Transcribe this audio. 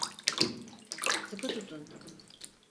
Sıkı tutun!